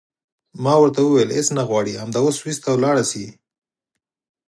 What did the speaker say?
ما ورته وویل هېڅ نه غواړې همدا اوس سویس ته ولاړه شې.